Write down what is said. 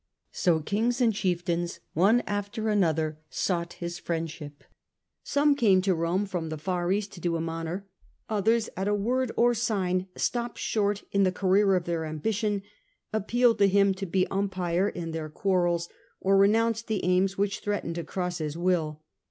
So kings and chieftains, one after another, sought his friendship. Some came to Rome from the far East to do him honour. Others at a word or sign stopped short in the career of their ambition, appealed to him to be um pire in their quarrels, or renounced the aims which threatened to cross his will.